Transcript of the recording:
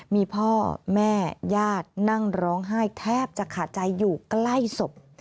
มีพ่อแม่ญาตินั่งร้องไห้แทบจะขาดใจอยู่ใกล้ศพ